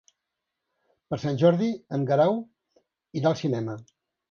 Per Sant Jordi en Guerau irà al cinema.